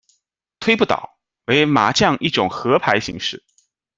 推不倒，为麻将一种和牌形式。